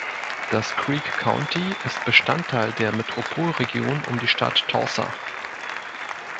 Das Creek County ist Bestandteil der Metropolregion um die Stadt Tulsa.